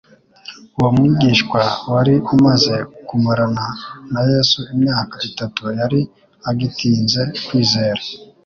Uwo mwigishwa wari umaze kumarana na Yesu imyaka itatu, yari agitinze kwizera.